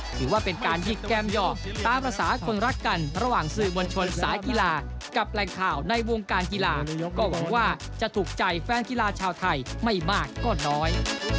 ถือว่าเป็นการหยิกแก้มหยอกตามภาษาคนรักกันระหว่างสื่อมวลชนสายกีฬากับแรงข่าวในวงการกีฬาก็หวังว่าจะถูกใจแฟนกีฬาชาวไทยไม่มากก็น้อย